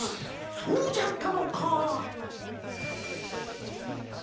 そうじゃったのかー。